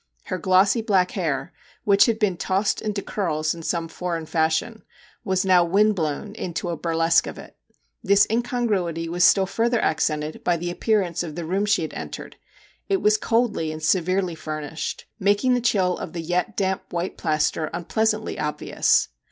Her glossy black hair, which had been tossed into curls in some foreign fashion, was now wind blown into a burlesque of it. This incongruity was still further ac cented by the appearance of the room she had entered. It was coldly and severely furnished; making the chill of the yet damp white plaster unpleasantly obvious.